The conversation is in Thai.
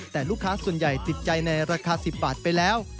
แต่ลูกค้าส่วนใหญ่ติดใจในราคา๑๐บาทไปแล้ว